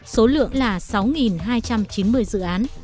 số lượng là sáu hai trăm chín mươi dự án